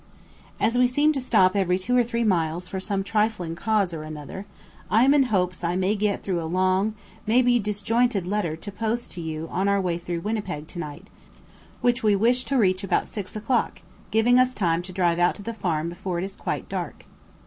As we seem to stop every two or three miles for some trifling cause or another, I am in hopes I may get through a long, maybe disjointed letter to post to you on our way through Winnipeg to night, which we wish to reach about 6 o'clock, giving us time to drive out to the farm before it is quite dark.